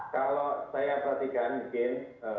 kalau saya perhatikan mungkin